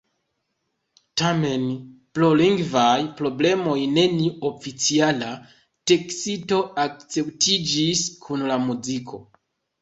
Tamen, pro lingvaj problemoj neniu oficiala teksto akceptiĝis kun la muziko.